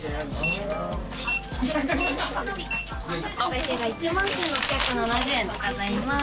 お会計が１万１，６７０円でございます。